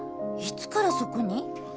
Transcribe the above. いつからそこに？